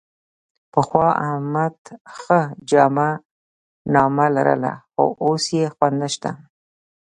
پخوا احمد ښه جامه نامه لرله، خو اوس یې خوند نشته.